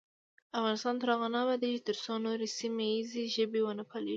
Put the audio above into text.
افغانستان تر هغو نه ابادیږي، ترڅو نورې سیمه ییزې ژبې ونه پالیږي.